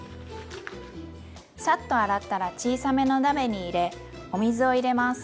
サッと洗ったら小さめの鍋に入れお水を入れます。